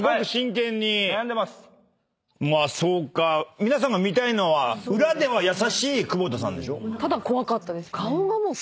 皆さんが見たいのは裏では優しい久保田さんでしょ。